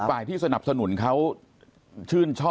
แต่ปร่ายที่สนับสนุนเค้าชื่นชอบ